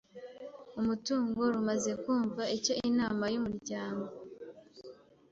umutungo rumaze kumva icyo Inama y umuryango